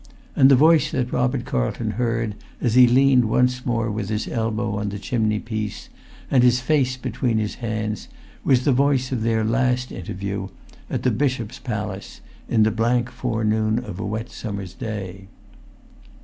And the voice that Robert Carlton heard, as he leaned once more with his elbow on the chimney piece, and his face between his hands, was the voice of their last interview, at the bishop's palace, in the blank forenoon of a wet summer's day.